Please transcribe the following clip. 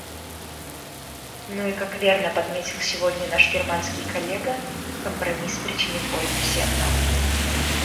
Ну и как верно подметил сегодня наш германский коллега, компромисс причинит боль всем нам.